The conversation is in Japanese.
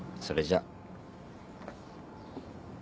それじゃあ。